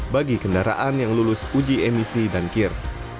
bagi kendaraan yang lulus uji emisi dan kir